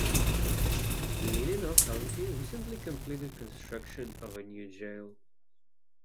Leelenau County recently completed construction of a new jail.